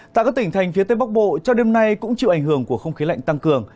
tại các tỉnh thành phía tây bắc bộ cho đêm nay cũng chịu ảnh hưởng của không khí lạnh tăng cường